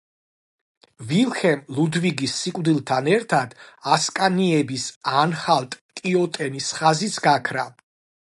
ვილჰელმ ლუდვიგის სიკვდილთან ერთად ასკანიების ანჰალტ-კიოტენის ხაზიც გაქრა.